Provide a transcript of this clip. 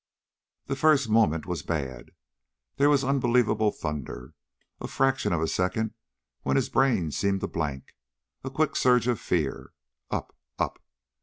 The first moment was bad. There was unbelievable thunder, a fraction of a second when his brain seemed to blank, a quick surge of fear. Up ... up.